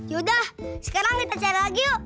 yaudah sekarang kita cari lagi yuk